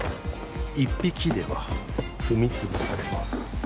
一匹では踏み潰されます